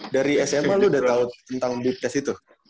dari sma lu udah tau tentang blip test itu